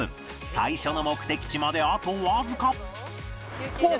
最初の目的地まであとわずか